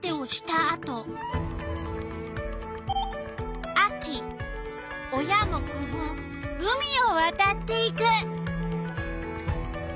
あと秋親も子も海をわたっていく。